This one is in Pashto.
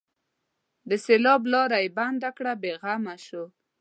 د سېلاب لاره یې بنده کړه؛ بې غمه شو.